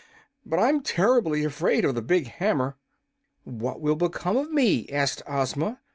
But I'm terribly afraid of the big hammer!" "What will become of me?" asked Ozma.